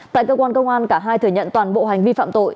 tại cơ quan công an cả hai thừa nhận toàn bộ hành vi phạm tội